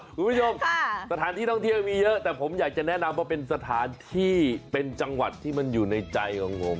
คุณผู้ชมสถานที่ท่องเที่ยวมีเยอะแต่ผมอยากจะแนะนำว่าเป็นสถานที่เป็นจังหวัดที่มันอยู่ในใจของผม